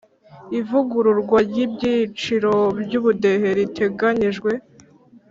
ivugururwa ry ibyiciro by ubudehe riteganyijwe